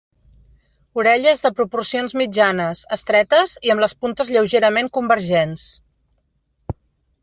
Orelles de proporcions mitjanes, estretes i amb les puntes lleugerament convergents.